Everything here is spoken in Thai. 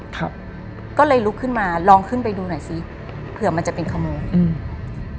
ครับก็เลยลุกขึ้นมาลองขึ้นไปดูหน่อยสิเผื่อมันจะเป็นขโมยอืม